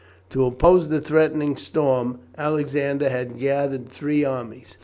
To oppose the threatening storm Alexander had gathered three armies.